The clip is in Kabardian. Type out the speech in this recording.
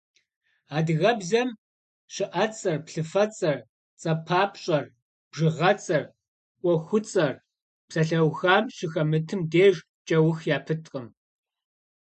Адыгэбзэм щыӏэцӏэр, плъыфэцӏэр, цӏэпапщӏэр, бжыгъэцӏэр, ӏуэхуцӏэр псалъэухам щыхэмытым деж кӏэух япыткъым.